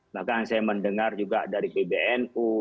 bahkan saya mendengar juga dari pbnu